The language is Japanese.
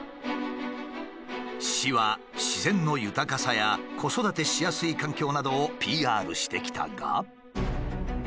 市は自然の豊かさや子育てしやすい環境などをＰＲしてきたが。